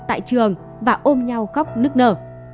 tại trường và ôm nhau khóc nức nở